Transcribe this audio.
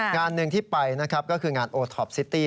งานหนึ่งที่ไปนะครับก็คืองานโอท็อปซิตี้